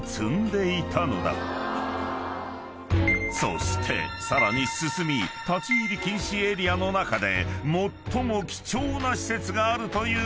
［そしてさらに進み立ち入り禁止エリアの中で最も貴重な施設があるという場所へ］